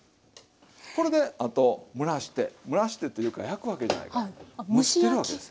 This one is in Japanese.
これであと蒸らして蒸らしてっていうか焼くわけじゃないから蒸してるわけです。